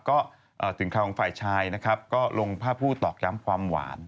ใครชายนะครับก็ลงภาพผู้ตอกย้ำความหวาน